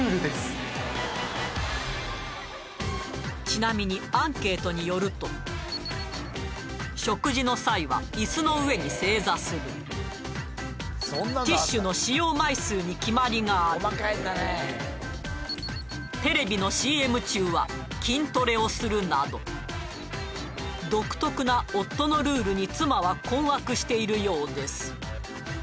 ちなみにアンケートによると食事の際は椅子の上に正座するティッシュの使用枚数に決まりがあるテレビのＣＭ中は筋トレをするなど独特な夫のルールに妻は困惑しているようです